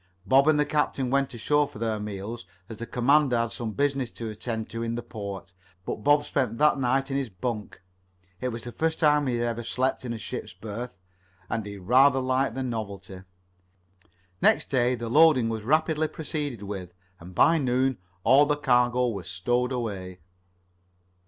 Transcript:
Bob and the captain went ashore for their meals, as the commander had some business to attend to in the port, but Bob spent that night in his bunk. It was the first time he had ever slept in a ship's berth, and he rather liked the novelty. The next day the loading was rapidly proceeded with, and by noon all the cargo was stowed away.